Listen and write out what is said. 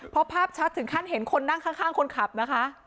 พอภาพชัดถึงขั้นเห็นคนนั่งข้างคนขับนะคะ